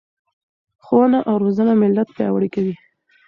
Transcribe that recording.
ښوونه او روزنه ملت پیاوړی کوي.